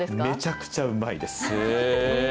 めちゃくちゃうまいです。